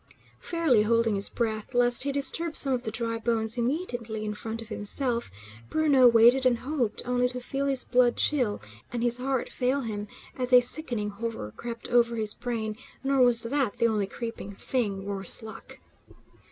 Fairly holding his breath, lest he disturb some of the dry bones immediately in front of himself, Bruno waited and hoped, only to feel his blood chill, and his heart fail him, as a sickening horror crept over his brain; nor was that the only creeping thing, worse luck!